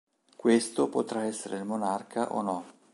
Questo potrà essere il Monarca o no.